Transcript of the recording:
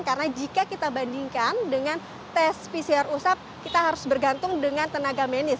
karena jika kita bandingkan dengan tes pcr usap kita harus bergantung dengan tenaga medis